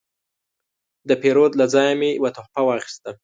د پیرود له ځایه مې یو تحفه واخیسته.